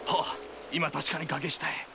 今確かに崖下へ。